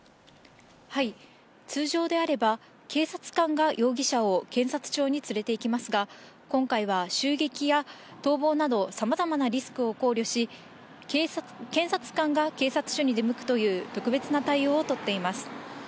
通常であれば、警察官が容疑者を検察庁に連れていきますが、今回は襲撃や逃亡など様々なリスクを考慮し、検察官が警察署に出向くという、特別な対応を取っています。